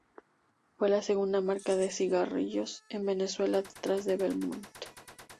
Fue la segunda marca de cigarrillos en Venezuela, detrás de Belmont.